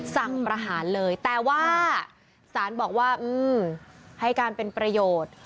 สั่งประหารเลยแต่ว่าสารบอกว่าให้การเป็นประโยชน์